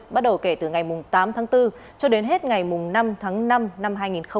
bắt đầu kể từ ngày tám tháng bốn cho đến hết ngày năm tháng năm năm hai nghìn hai mươi bốn